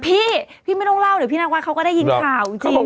พี่พี่ไม่ต้องเล่าเดี๋ยวพี่นางวัดเขาก็ได้ยินข่าวจริง